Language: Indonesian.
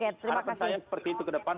harapan saya seperti itu ke depan